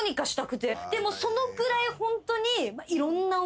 でもそのくらいホントに。